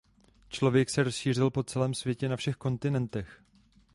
Člověk se rozšířil po celém světě na všech kontinentech.